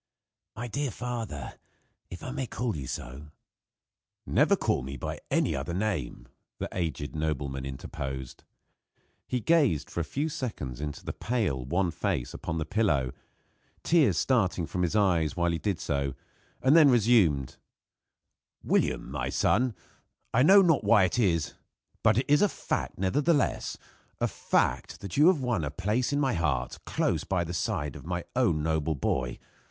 "My dear father, if I may call you so " "Never call me by any other name," the aged nobleman interposed. He gazed for a few seconds into the pale, wan face upon the pillow, tears starting from his eyes while he did so; and then resumed: "William, my son, I know not why it is, but it is a fact nevertheless, a fact that you have won a place in my heart close by the side of my own noble boy.